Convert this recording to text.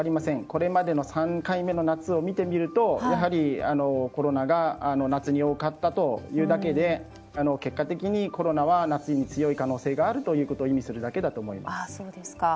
これまでの３回の夏を見てみるとやはりコロナが夏に多かったというだけで結果的にコロナは夏に強い可能性があるということを意味するだけだと思います。